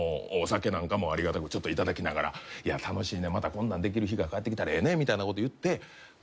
お酒なんかもありがたく頂きながら楽しいねまたこんなんできる日が帰ってきたらええねみたいなこと言って。